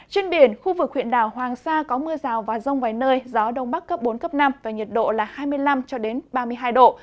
trên biển khu vực huyện đảo hoàng sa có mưa rào và rông vài nơi gió đông bắc cấp bốn cấp năm và nhiệt độ là hai mươi năm ba mươi hai độ